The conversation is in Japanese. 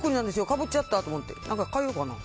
かぶっちゃったと思って。